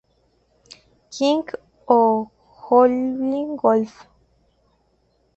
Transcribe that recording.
King o Howlin' Wolf.